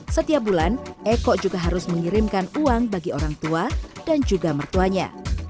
setiap bulan eko juga harus mengirimkan uang bagi orang tua dan juga mertuanya